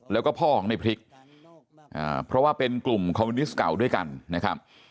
แล้วก็พ่อของในพริกเพราะว่าเป็นกลุ่มคอมมิวนิสต์เก่าด้วยกันนะครับ